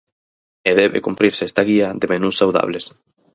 E debe cumprirse esta guía de menús saudables.